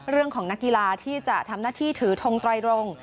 เรื่องของนักกีฬาที่จะทำหน้าที่ถือทงไตรลง